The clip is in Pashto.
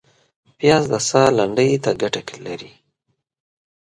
پیاز د ساه لنډۍ ته ګټه لري